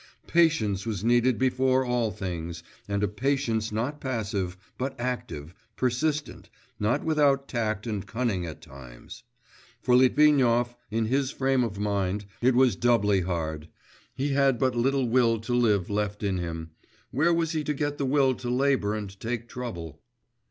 Patience was needed before all things, and a patience not passive, but active, persistent, not without tact and cunning at times.... For Litvinov, in his frame of mind, it was doubly hard. He had but little will to live left in him.... Where was he to get the will to labour and take trouble?